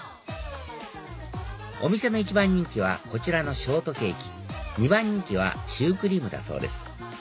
お店の１番人気はこちらのショートケーキ２番人気はシュークリームだそうです